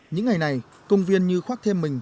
những ngày này công viên như khoác thêm mình